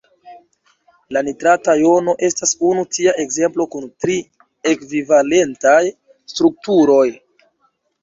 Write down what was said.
La nitrata jono estas unu tia ekzemplo kun tri ekvivalentaj strukturoj.